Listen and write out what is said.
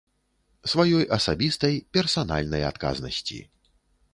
Сваёй асабістай, персанальнай адказнасці.